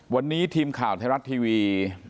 วันนี้ทีมข่าวไทยรัฐทีวี